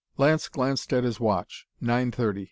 Lance glanced at his watch. Nine thirty.